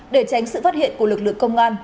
để tránh sự phát hiện của lực lượng công an